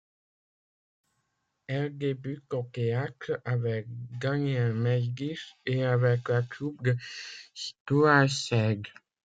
Elle débute au théâtre avec Daniel Mesguich et avec la troupe de Stuart Seide.